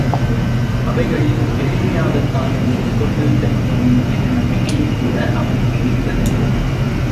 அவைகளில் எளிமையாகத் தான் வெற்றி கொண்டுவிட முடியும் என்ற நம்பிக்கையும்கூட அவனுக்கு இருந்ததில்லை.